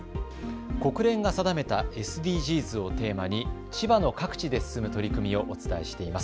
国連が定めたＳＤＧｓをテーマに千葉の各地で進む取り組みをお伝えしています。